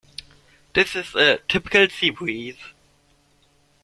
This is a typical sea breeze.